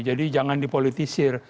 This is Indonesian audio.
jadi jangan dipolitisir